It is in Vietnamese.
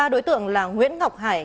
ba đối tượng là nguyễn ngọc hải